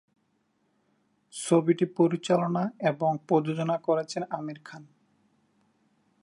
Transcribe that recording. ছবিটি পরিচালনা এবং প্রযোজনা করেছেন আমির খান।